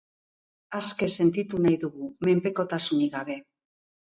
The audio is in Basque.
Aske sentitu nahi dugu, menpekotasunik gabe.